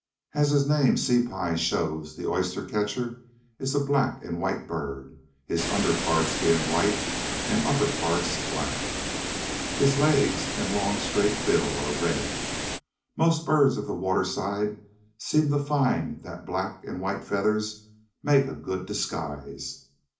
As his name Sea pie shows, the Oyster catcher is a black and white bird, his under parts being white and upper parts black. His legs and long, straight bill are red. Most birds of the waterside seem to find that black and white feathers make a good disguise.